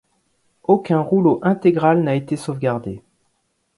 Aucun rouleau intégral n'a été sauvegardé.